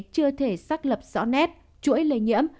chưa thể xác lập rõ nét chuỗi lây nhiễm